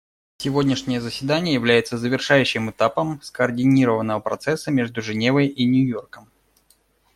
Сегодняшнее заседание является завершающим этапом скоординированного процесса между Женевой и Нью-Йорком.